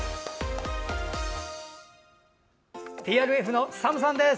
ＴＲＦのＳＡＭさんです。